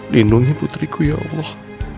lindungi putriku ya allah